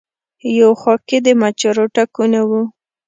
يو خوا کۀ د مچرو ټکونه وو